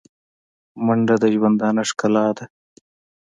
منډه د ژوندانه ښکلا ده